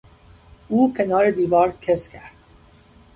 او کنار دیوار کز کرد.